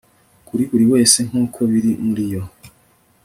Kuri buri wese nkuko biri muriyo